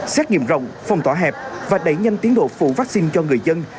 xét nghiệm rộng phòng tỏa hẹp và đẩy nhanh tiến độ phụ vaccine cho người dân